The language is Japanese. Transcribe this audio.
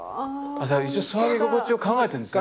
じゃあ一応座り心地を考えてるんですね。